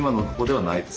はい。